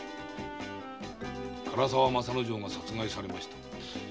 唐沢政之丞が殺されました。